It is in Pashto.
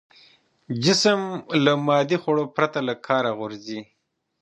جسم له مادي خوړو پرته له کاره غورځي.